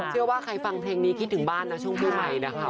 เชื่อว่าใครฟังเพลงนี้คิดถึงบ้านนะช่วงปีใหม่นะคะ